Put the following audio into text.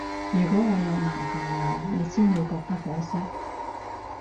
如果我有男朋友，你先要覺得可惜